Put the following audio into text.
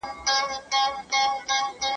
نوي فکرونه رامنځته کړئ.